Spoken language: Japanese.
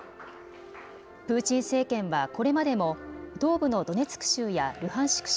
プーチン政権はこれまでも東部のドネツク州やルハンシク